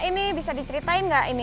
ini bisa diceritain nggak ini